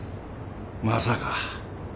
まさか。